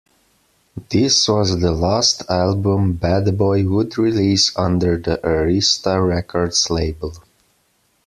This was the last album Bad Boy would release under the Arista Records label.